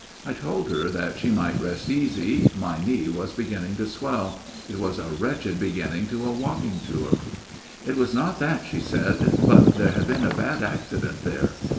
I told her that she might rest easy : my knee was beginning to swell. It was a wretched beginning to a walking tour. '* It was not that, she said ; but there had been a bad accident there.